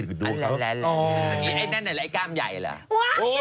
อะไรไอ้กล้ามใหญ่เหรอ